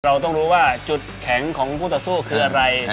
เราต้องรู้ว่าจุดแข็งของผู้ต่อสู้คืออะไร